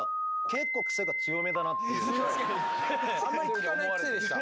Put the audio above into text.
結構あんまり聞かないクセでした。